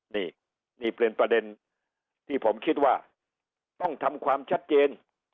นี่นี่เป็นประเด็นที่ผมคิดว่าต้องทำความชัดเจน